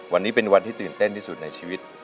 วันนี้เป็นวันที่ตื่นเต้นที่สุดในชีวิต